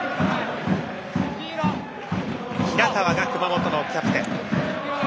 平川が熊本のキャプテン。